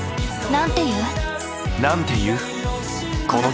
なんて言う？